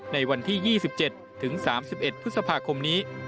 ในวันที่๒๗ถึง๓๑พฤษภาคมนี้